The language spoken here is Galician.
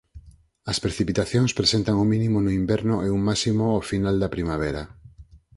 As precipitacións presentan o mínimo no inverno e un máximo ao final da primavera.